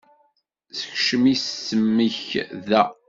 Sekcem isem-ik da.